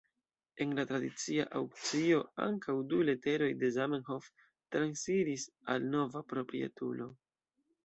En la tradicia aŭkcio ankaŭ du leteroj de Zamenhof transiris al nova proprietulo.